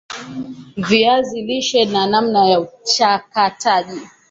viazi lishe na namna ya uchakataji